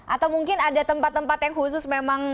atau mungkin ada tempat tempat yang khusus memang